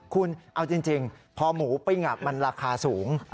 คุณเอาจริงพอหมูปิ้งมันราคาสูง